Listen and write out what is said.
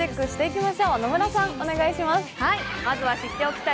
まずは知っておきたい